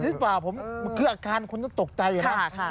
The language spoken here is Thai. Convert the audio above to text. แบบนี้เปล่ามันคืออาการคนที่ตกใจนะ